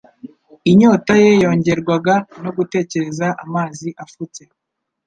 Inyota ye yongerwaga no gutekereza amazi afutse,